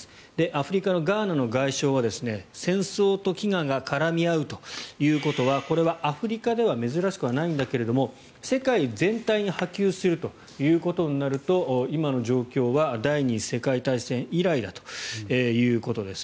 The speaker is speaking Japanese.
アフリカのガーナの外相は戦争と飢餓が絡み合うということはこれはアフリカでは珍しくはないんだけど世界全体に波及するということになると今の状況は第２次世界大戦以来だということです。